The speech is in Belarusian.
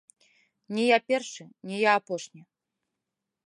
Не я першы, не я апошні!